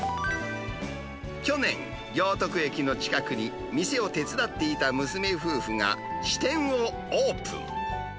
去年、行徳駅の近くに、店を手伝っていた娘夫婦が支店をオープン。